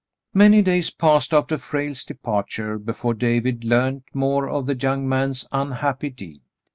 Many days passed after Frale's departure before David learned more of the young man's unhappy deed.